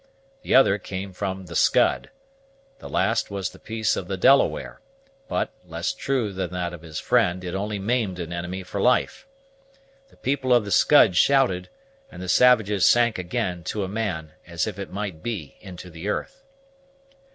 The other came from the Scud. The last was the piece of the Delaware, but, less true than that of his friend, it only maimed an enemy for life. The people of the Scud shouted, and the savages sank again, to a man, as if it might be into the earth.